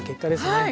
はい！